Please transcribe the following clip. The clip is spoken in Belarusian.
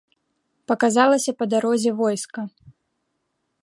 Паказалася па дарозе войска.